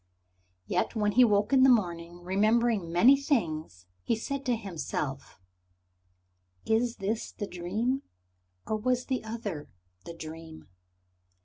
Yet when he woke in the morning, remembering many things, he said to himself "Is this the dream? Or was the other the dream?"